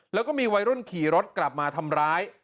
แล้วก็มีวัยรุ่นขี่รถกลับมาทำร้าย